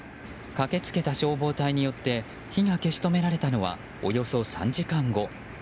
駆け付けた消防隊によって火が消し止められたのはおよそ３時間後。